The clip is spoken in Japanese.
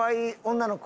女の子？